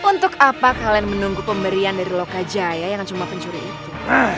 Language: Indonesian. untuk apa kalian menunggu pemberian dari loka jaya yang cuma pencuri itu